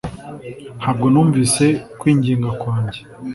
ntabwo numvise kwinginga kwanjye